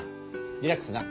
リラックスな。